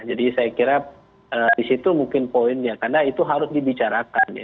jadi saya kira di situ mungkin poinnya karena itu harus dibicarakan ya